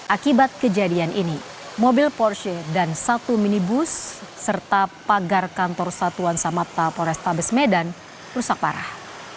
akibat kejadian ini mobil porsche dan satu minibus serta pagar kantor satuan samapta polrestabes medan rusak parah